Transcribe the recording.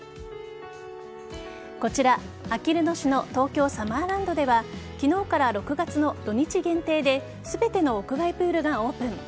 こちら、あきる野市の東京サマーランドでは昨日から６月の土日限定で全ての屋外プールがオープン。